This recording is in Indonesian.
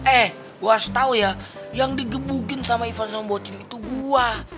eh gua asal tau ya yang digebukin sama ivan sama bocin itu gua